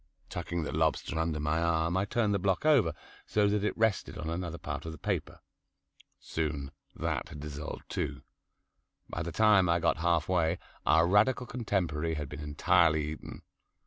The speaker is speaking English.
Tucking the lobster under my arm I turned the block over, so that it rested on another part of the paper. Soon that had dissolved too. By the time I had got half way our Radical contemporary had been entirely eaten.